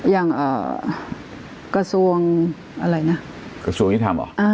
อย่างกระทรวงอะไรนะกระทรวงยุทธรรมเหรอ